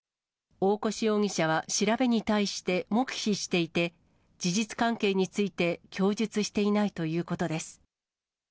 大越容疑者は調べに対して、黙秘していて、事実関係について供述していないということです。